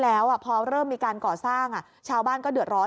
แล้วพอเริ่มมีการก่อสร้างชาวบ้านก็เดือดร้อน